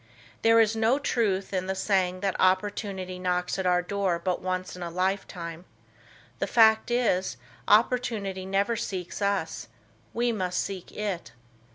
There is no truth in the saying that opportunity knocks at our door but once in a lifetime. The fact is, opportunity never seeks us; we must seek it.